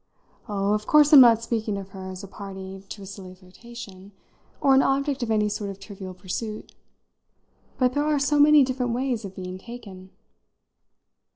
"Oh, of course I'm not speaking of her as a party to a silly flirtation, or an object of any sort of trivial pursuit. But there are so many different ways of being taken."